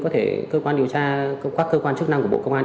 có thể cơ quan điều tra các cơ quan chức năng của bộ công an